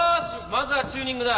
まずはチューニングだ。